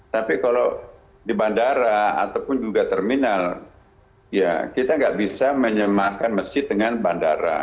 tapi kalau di bandara ataupun juga terminal ya kita nggak bisa menyemahkan masjid dengan bandara